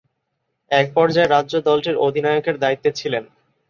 এক পর্যায়ে রাজ্য দলটির অধিনায়কের দায়িত্বে ছিলেন।